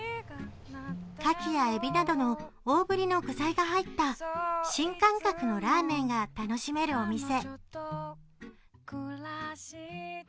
牡蠣やえびなどの大ぶりの具材が入った新感覚のラーメンが楽しめるお店。